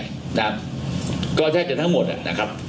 ก็แทบเฉพาะทั้งหมดนะครับ